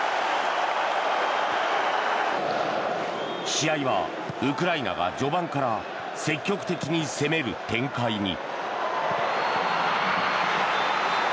試合はウクライナが序盤から積極的に攻める展開に。